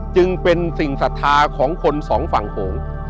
จึงเป็นสิ่งศรัทธาของคนสองฝั่งโขง